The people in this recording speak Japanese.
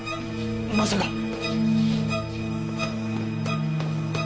まさか。